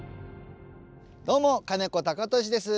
どうも金子貴俊です。